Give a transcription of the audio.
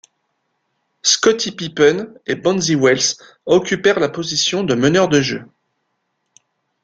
Scottie Pippen et Bonzi Wells occupèrent la position de meneur de jeu.